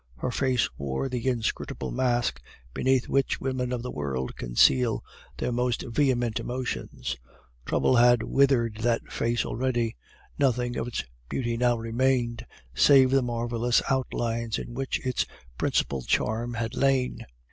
Her face wore the inscrutable mask beneath which women of the world conceal their most vehement emotions. Trouble had withered that face already. Nothing of its beauty now remained, save the marvelous outlines in which its principal charm had lain.